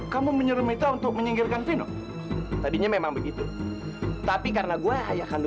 sampai jumpa di video selanjutnya